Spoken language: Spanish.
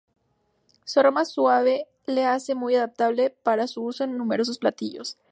Su aroma suave la hace muy adaptable para su uso en numerosos platillos.